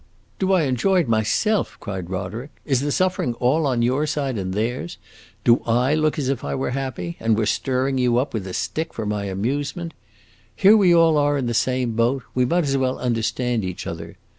"Do I enjoy it myself?" cried Roderick. "Is the suffering all on your side and theirs? Do I look as if I were happy, and were stirring you up with a stick for my amusement? Here we all are in the same boat; we might as well understand each other!